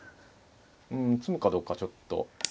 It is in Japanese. うん詰むかどうかちょっと。